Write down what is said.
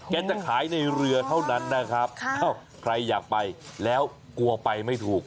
จะขายในเรือเท่านั้นนะครับใครอยากไปแล้วกลัวไปไม่ถูก